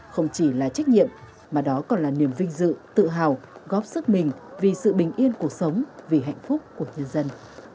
không chỉ là trách nhiệm mà đó còn là niềm vinh dự tự hào góp sức mình vì sự bình yên cuộc sống vì hạnh phúc của nhân dân